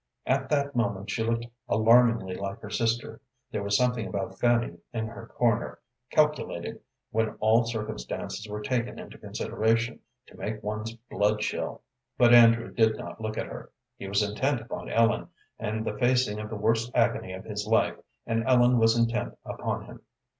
At that moment she looked alarmingly like her sister; there was something about Fanny in her corner, calculated, when all circumstances were taken into consideration, to make one's blood chill, but Andrew did not look at her. He was intent upon Ellen, and the facing of the worst agony of his life, and Ellen was intent upon him.